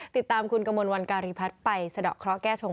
ติดตามคุณกมลวันการีพัฒน์ไปสะดอกเคราะหแก้ชง